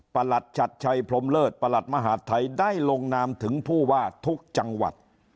หลัดชัดชัยพรมเลิศประหลัดมหาดไทยได้ลงนามถึงผู้ว่าทุกจังหวัด